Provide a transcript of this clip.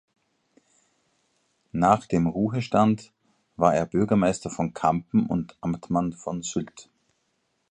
Nach dem Ruhestand war er Bürgermeister von Kampen und Amtmann von Sylt.